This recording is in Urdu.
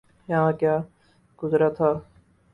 یہاں کیا گرنا تھا؟